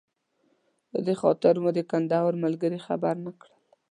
په دې خاطر مو د کندهار ملګري خبر نه کړل.